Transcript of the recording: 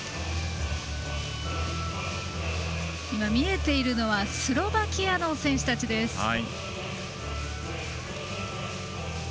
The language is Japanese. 今、見えているのはスロバキアの選手たちです。